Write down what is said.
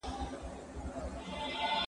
زه له سهاره ږغ اورم!